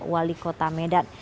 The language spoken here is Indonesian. wali kota medan